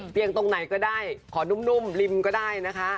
ตรงไหนก็ได้ขอนุ่มริมก็ได้นะคะ